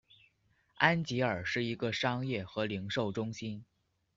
安吉尔是一个商业和零售中心。